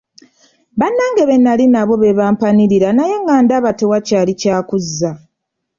Bannange be nnali nabo be bampanirira naye nga ndaba tewakyali kya kuzza.